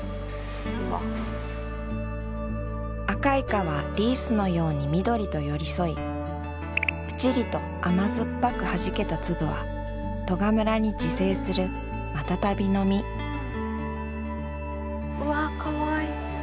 赤烏賊はリースのように緑と寄り添いプチリと甘酸っぱく弾けた粒は利賀村に自生するマタタビの実うわかわいい。